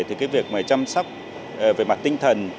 thì việc chăm sóc về mặt tinh thần